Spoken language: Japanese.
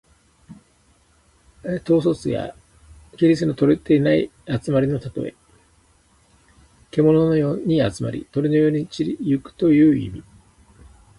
統率や規律のとれていない集まりのたとえ。けもののように集まり、鳥のように散り行くという意味。